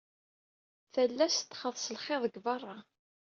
Tallast txaḍ s lxiḍ deg berra.